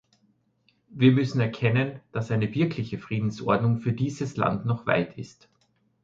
Wir müssen erkennen, dass eine wirkliche Friedensordnung für dieses Land noch weit ist.